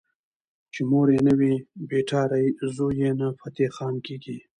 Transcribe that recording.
چې مور یې نه وي بټيارۍ زوی يې نه فتح خان کيږي